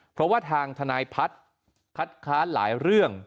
เพราะว่าทางทนายพัฒน์คัดค้านหลายเรื่อง